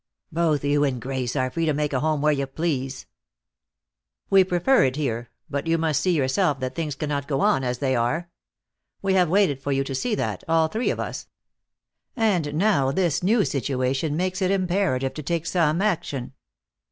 "Both you and Grace are free to make a home where you please." "We prefer it here, but you must see yourself that things cannot go on as they are. We have waited for you to see that, all three of us, and now this new situation makes it imperative to take some action."